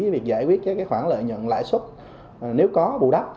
việc giải quyết các khoản lợi nhận lãi xuất nếu có bù đắp